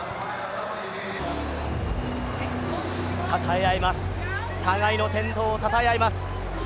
たたえ合います、互いの健闘をたたえ合います。